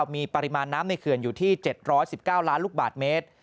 มีปริมาณน้ำในเขื่อนอยู่ที่๗๑๙ล้านลูกบาทเมตร